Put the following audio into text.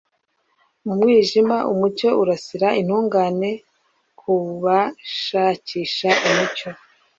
Mu mwijima umucyo urasira intungane Kubashakisha umucyo